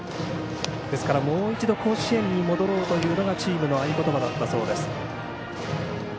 ですからもう一度甲子園に戻ろうというのがチームの合言葉だったそうです。